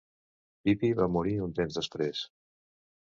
Pipí va morir un temps després.